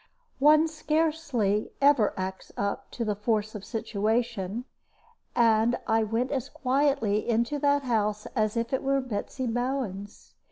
One scarcely ever acts up to the force of situation; and I went as quietly into that house as if it were Betsy Bowen's.